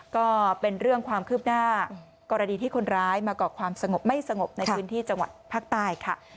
ก็เป็นเรื่องความคืบหน้ากรณีที่คนร้ายมาก่อความสงบไม่สงบในพื้นที่จังหวัดภาคใต้ค่ะ